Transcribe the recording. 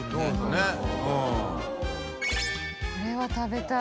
これは食べたい。